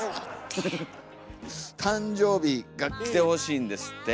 誕生日が来てほしいんですって。